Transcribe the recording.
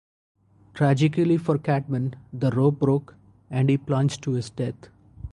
Tragically for Cadman, the rope broke, and he plunged to his death.